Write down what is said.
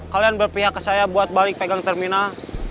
kalian berpihak ke saya buat balik pegang terminal